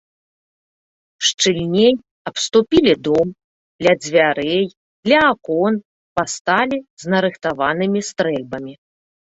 Шчыльней абступілі дом, ля дзвярэй, ля акон пасталі з нарыхтаванымі стрэльбамі.